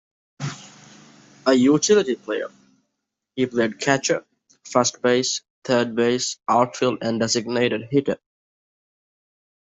A utility player, he played catcher, first base, third base, outfield and designated hitter.